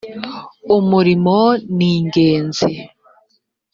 umurimo ningenzi.